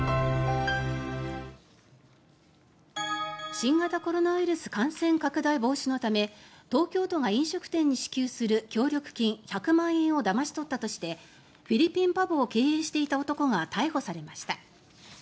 新型コロナウイルス感染拡大防止のため東京都が飲食店に支給する協力金１００万円をだまし取ったとしてフィリピンパブを経営していた男が逮捕されました。